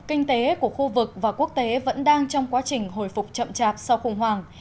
kinh tế của khu vực và quốc tế vẫn đang trong quá trình hồi phục chậm chạp sau khủng hoảng